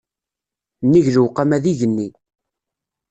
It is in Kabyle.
Nnig lewqama d igenni.